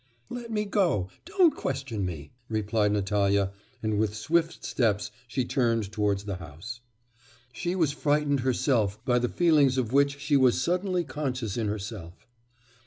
'Let me go! don't question me!' replied Natalya, and with swift steps she turned towards the house. She was frightened herself by the feelings of which she was suddenly conscious in herself.